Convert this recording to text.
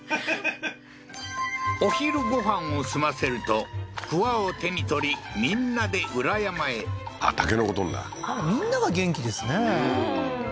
はっお昼ご飯を済ませると鍬を手に取りみんなで裏山へ筍採るんだみんなが元気ですね